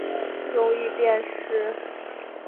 容易辨识猎户座与北极星